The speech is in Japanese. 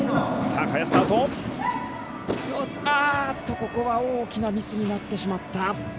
ここは大きなミスになってしまった。